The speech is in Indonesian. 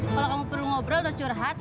kalau kamu perlu ngobrol terus curhat